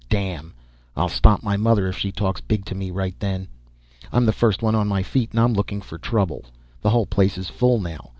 Damn, I'll stomp my mother if she talks big to me right then. I'm the first one on my feet and I'm looking for trouble. The whole place is full now.